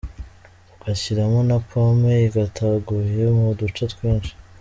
Ugashyiramo na pomme ikataguye mu duce twinshi.